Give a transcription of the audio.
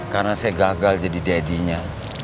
karena saya gagal jadi dadinya